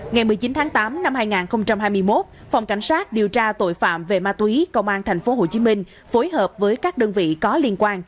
ngày một mươi chín tháng tám năm hai nghìn hai mươi một phòng cảnh sát điều tra tội phạm về ma túy công an thành phố hồ chí minh phối hợp với các đơn vị có liên quan